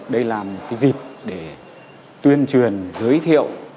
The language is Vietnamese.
đây là một dịp để tuyên truyền giới thiệu